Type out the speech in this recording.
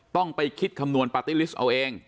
ต้องไปคิดคำนวณปาร์ตี้ลิสต์เอาเอง